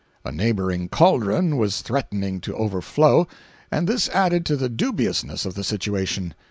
A neighboring cauldron was threatening to overflow, and this added to the dubiousness of the situation.